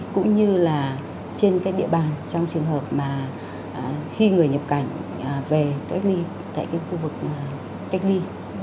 cũng như là trên cái địa bàn trong trường hợp mà khi người nhập cảnh về cách ly tại khu vực cách ly